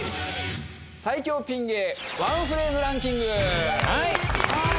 最強ピン芸ワンフレーズランキング。